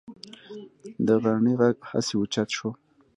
د غنړې غږ هسې اوچت شو.